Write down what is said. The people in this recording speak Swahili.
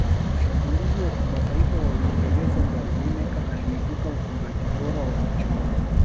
Mshambulizi wa kimataifa wa uingereza gary lineker aliibuka mfungaji bora wa michuano